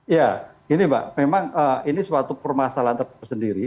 ya ini pak memang ini suatu permasalahan terhadap sendiri